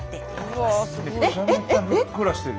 めちゃめちゃふっくらしてる。